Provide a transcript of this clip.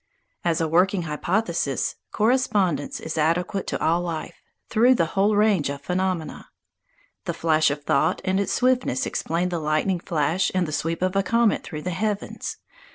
As a working hypothesis, correspondence is adequate to all life, through the whole range of phenomena. The flash of thought and its swiftness explain the lightning flash and the sweep of a comet through the heavens.